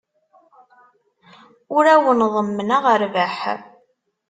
Ur awen-ḍemmneɣ rrbeḥ.